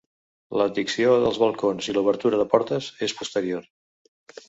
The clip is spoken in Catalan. L'addició dels balcons i l'obertura de portes és posterior.